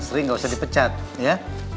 sering nggak usah dipecat ya